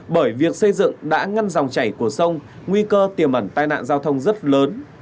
bởi việc xây dựng đã ngăn dòng chảy của sông nguy cơ tiềm ẩn tai nạn giao thông rất lớn